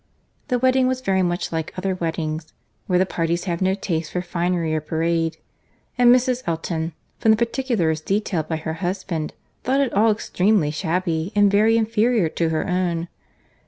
The wedding was very much like other weddings, where the parties have no taste for finery or parade; and Mrs. Elton, from the particulars detailed by her husband, thought it all extremely shabby, and very inferior to her own.